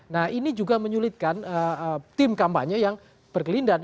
nah ini juga menyulitkan tim kampanye yang berkelindahan